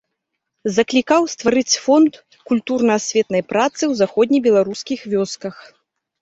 Заклікаў стварыць фонд культурна-асветнай працы ў заходнебеларускіх вёсках.